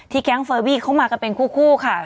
แก๊งเฟอร์วี่เขามากันเป็นคู่ค่ะ